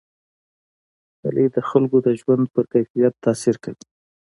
کلي د خلکو د ژوند په کیفیت تاثیر کوي.